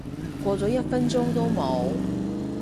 過咗一分鐘都冇